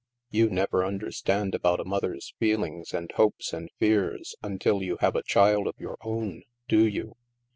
You never understand about a mother's feelings and hopes and fears until you have a child of your own, do you